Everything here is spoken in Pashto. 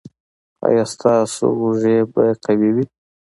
ایا ستاسو اوږې به قوي وي؟